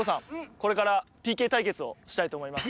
これからＰＫたいけつをしたいとおもいます。